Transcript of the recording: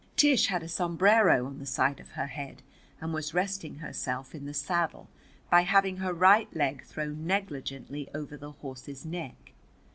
Tish had a sombrero on the side of her head, and was resting herself in the saddle by having her right leg thrown negligently over the horse's neck.